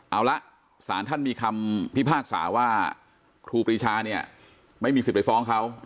เอาละสารท่านมีคำพิพากษาว่าครูปรีชาเนี่ยไม่มีสิทธิ์ไปฟ้องเขา